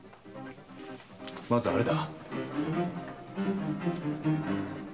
まずあれだ。